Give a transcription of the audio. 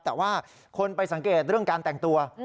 แต่ว่าคนไปสังเกตเรื่องการแต่งตัว